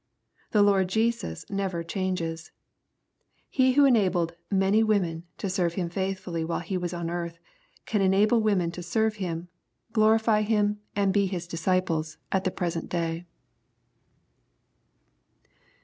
The Lord Jesus never changes. He who enabled "many women*' to serve Him faithfdlly while He was on earth, can enable women to serve Him, glorify Him, and be His disciples at the present day.